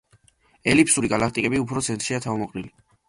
ელიფსური გალაქტიკები უფრო ცენტრშია თავმოყრილი.